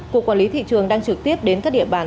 cục quản lý thị trường đang trực tiếp đến các địa bàn